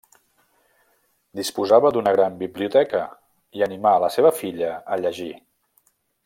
Disposava d'una gran biblioteca i animà la seva filla a llegir.